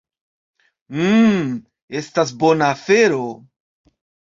Mmm, estas bona afero.